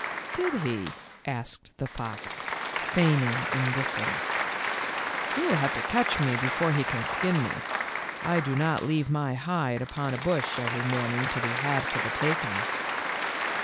"Did he?" asked the fox, feigning indiffer ence ;" he will have to catch me before he can skin me. I do not leave my hide upon a bush every morning to be had for the taking.